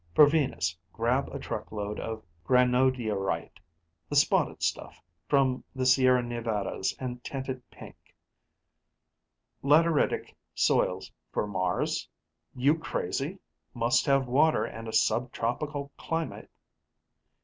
For Venus, grab a truckload of granodiorite the spotted stuff from the Sierra Nevadas and tint it pink.... Lateritic soils for Mars? You crazy? Must have water and a subtropical climate...."